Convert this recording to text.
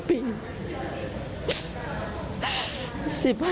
๑๕ปี